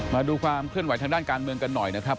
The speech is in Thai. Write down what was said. มาดูความเคลื่อนไหทางด้านการเมืองกันหน่อยนะครับ